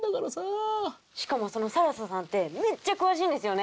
しかもその更紗さんってめっちゃ詳しいんですよね。